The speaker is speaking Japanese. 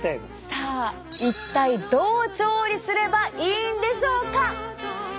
さあ一体どう調理すればいいんでしょうか？